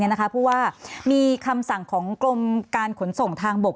เพราะว่ามีคำสั่งของกรมการขนส่งทางบก